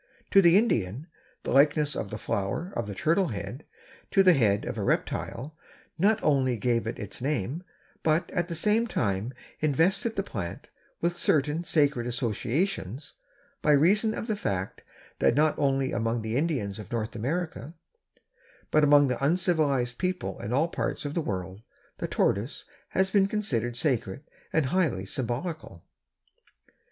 To the Indian the likeness of the flower of the Turtle head to the head of a reptile not only gave it its name, but at the same time invested the plant with certain sacred associations by reason of the fact that not only among the Indians of North America, but among the uncivilized peoples in all parts of the world the tortoise has been considered sacred and highly symbolical.